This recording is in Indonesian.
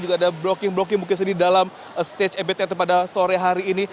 juga ada blocking blocking mungkin sedih dalam stage mbt pada sore hari ini